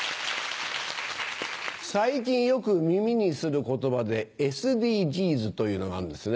最近よく耳にする言葉でＳＤＧｓというのがあるんですね。